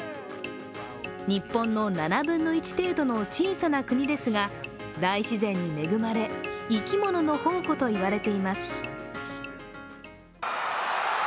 日本の７分の１程度の小さな国ですが、大自然に恵まれ、生き物の宝庫といわれています。